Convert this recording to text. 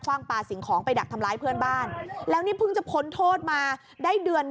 วิ่งปรีมาเลยเหรอฮะ